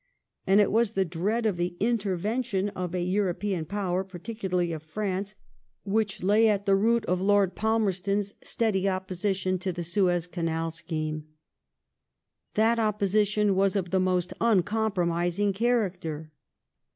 And it was the dread of the intervention of a European Power, par ticularly of France, which lay at the root of Lord 12 ♦/ J80 LIFE OF VISCOUNT FALMEB8T0N. Palmerston's steady opposition to the Suez Canal soheme. That opposition was of the most uncompromising' obaracter.